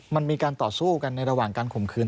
มันมีการต่อสู้กันในระหว่างการข่มขืน